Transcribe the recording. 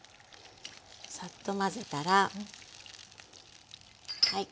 サッと混ぜたら。